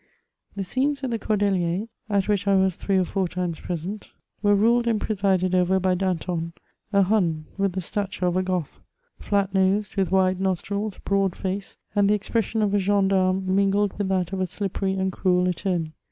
The scenes at the Cordeliers, at which I was three or four times present, were ruled and presided over by Danton, — a Hun, with the stature of a Groth, — flat nosed, with wide nostrils, broad face, and the expression of a gendarme mingled with that of a slippery and cruel attorney.